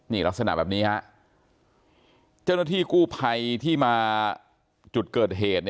นี่ลักษณะแบบนี้ฮะเจ้าหน้าที่กู้ภัยที่มาจุดเกิดเหตุ